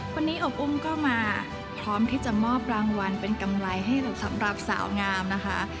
วันนี้อบอุ้มก็มาพร้อมที่จะมอบรางวัลเป็นกำไรให้สำหรับสาวงามนะคะ